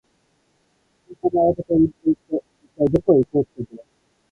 そんなに慌てて運転して、一体どこへ行こうってんだよ。